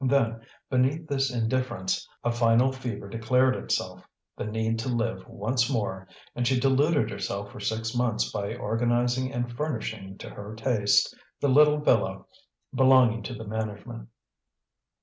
Then, beneath this indifference a final fever declared itself, the need to live once more, and she deluded herself for six months by organizing and furnishing to her taste the little villa belonging to the management.